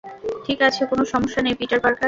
ঠিক আছে, কোনো সমস্যা নেই, পিটার পার্কার।